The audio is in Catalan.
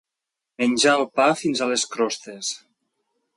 Menjar el pa fins a les crostes.